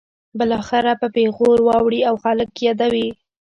بالاخره په پیغور واړوي او خلک یې یادوي.